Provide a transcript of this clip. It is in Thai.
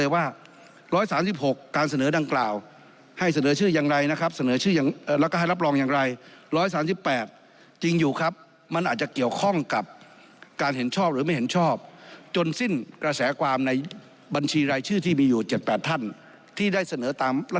ว่าตอนนี้อภิปรายในหัวข้อแบบไหนอย่างไรบ้างนะครับ